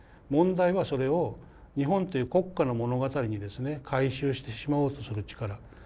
問題はそれを日本という国家の物語にですね回収してしまおうとする力。